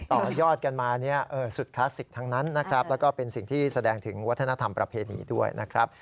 ต่อยอดกันมาสุดคลาสสิกทั้งนั้นนะครับแล้วก็เป็นสิ่งที่แสดงถึงวัฒนธรรมประเพณีด้วยนะครับ